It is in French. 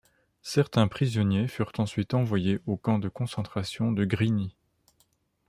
Certains prisonniers furent ensuite envoyés au Camp de concentration de Grini.